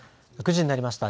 ９時になりました。